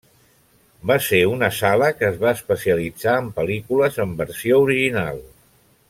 Va ser una sala que es va especialitzar en pel·lícules en versió original.